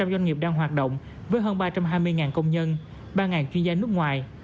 một năm trăm linh doanh nghiệp đang hoạt động với hơn ba trăm hai mươi công nhân ba chuyên gia nước ngoài